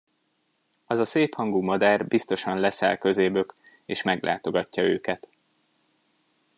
Az a szép hangú madár biztosan leszáll közébök, és meglátogatja őket.